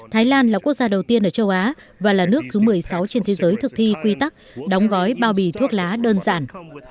thái lan là quốc gia đầu tiên ở châu á và là nước thứ một mươi sáu trên thế giới thực thi quy tắc đóng gói bao bì thuốc lá đơn giản